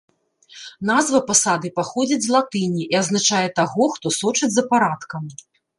Назва пасады паходзіць з латыні і азначае таго, хто сочыць за парадкам.